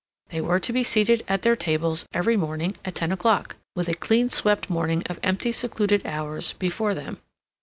They were to be seated at their tables every morning at ten o'clock, with a clean swept morning of empty, secluded hours before them.